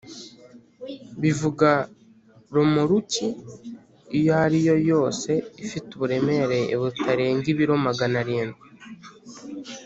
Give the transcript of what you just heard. bivuga romoruki iyo ariyo yose ifite uburemere butarenga ibiro Magana arindwi.